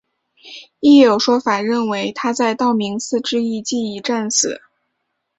亦有说法认为他在道明寺之役即已战死。